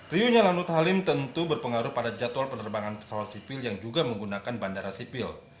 riuhnya lanut halim tentu berpengaruh pada jadwal penerbangan pesawat sipil yang juga menggunakan bandara sipil